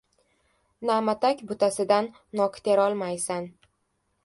• Na’matak butasidan nok terolmaysan.